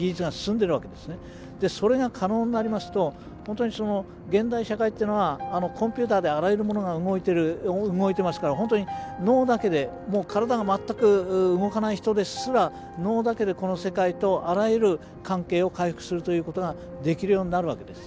それが可能になりますと本当に現代社会っていうのはコンピューターであらゆるものが動いてますから本当に脳だけで体が全く動かない人ですら脳だけでこの世界とあらゆる関係を回復するということができるようになるわけです。